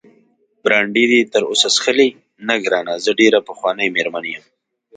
برانډي دې تراوسه څښلی؟ نه ګرانه، زه ډېره پخوانۍ مېرمن یم.